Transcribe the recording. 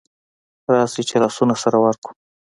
راسئ چي لاسونه سره ورکړو